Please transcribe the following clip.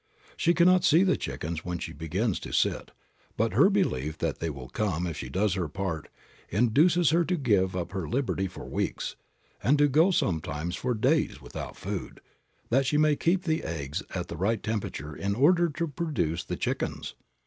She cannot see the chickens when she begins to sit, but her belief that they will come if she does her part induces her to give up her liberty for weeks, and to go sometimes for days without food, that she may keep the eggs at the right temperature in order to produce the chickens.